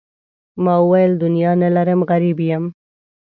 ما وویل دنیا نه لرم غریب یم.